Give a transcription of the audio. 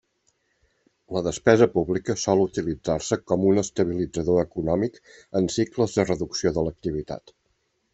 La despesa pública sol utilitzar-se com un estabilitzador econòmic en cicles de reducció de l'activitat.